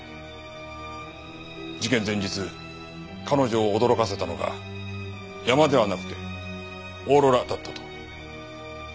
事件前日彼女を驚かせたのが山ではなくてオーロラだったと。